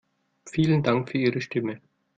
Vielen Dank für Ihre Stimme.